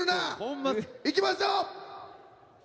いきましょう！